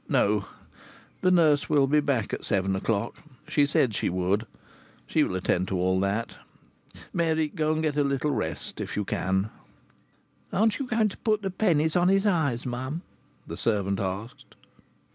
"No, the nurse will be back at seven o'clock. She said she would. She will attend to all that. Mary, go and get a little rest, if you can." "Aren't you going to put the pennies on his eyes, mum?" the servant asked.